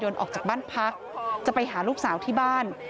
ออกจากบ้านพักจะไปหาลูกสาวที่บ้าน